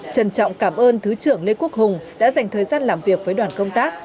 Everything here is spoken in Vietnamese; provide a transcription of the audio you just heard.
trân trọng cảm ơn thứ trưởng lê quốc hùng đã dành thời gian làm việc với đoàn công tác